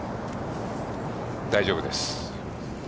大丈夫です。